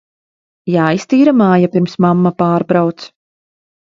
Jāiztīra māja, pirms mamma pārbrauc.